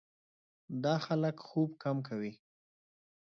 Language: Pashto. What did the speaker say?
دا خلک خوب کم کوي.